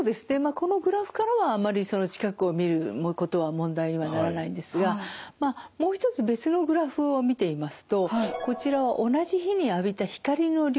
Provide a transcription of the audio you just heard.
このグラフからはあまり近くを見ることは問題にはならないんですがもう一つ別のグラフを見てみますとこちらは同じ日に浴びた光の量。